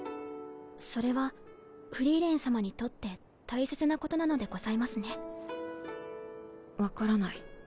それはフリーレン様にとって大切なことなのでございますね。分からない。